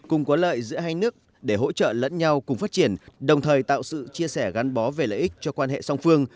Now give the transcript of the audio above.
cùng có lợi giữa hai nước để hỗ trợ lẫn nhau cùng phát triển đồng thời tạo sự chia sẻ gắn bó về lợi ích cho quan hệ song phương